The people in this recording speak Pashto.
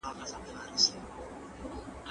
د شنو بوټو شتون د اقلیم په تعدیل کې مرسته کوي.